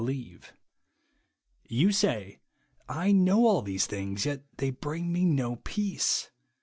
YoJJ say, I know all these tilings, yet they bring nae no peace.